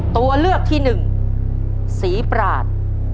ตัวเลือกที่หนึ่งศรีปราศ